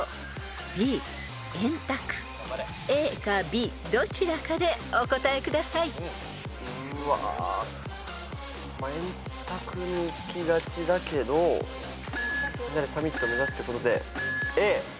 ［ＡかＢどちらかでお答えください］円卓にいきがちだけどみんなでサミット目指すってことで。